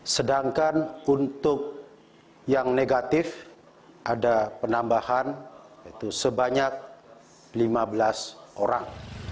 sedangkan untuk yang negatif ada penambahan sebanyak lima belas orang